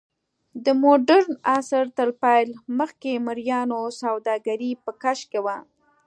د موډرن عصر تر پیل مخکې مریانو سوداګري په کش کې وه.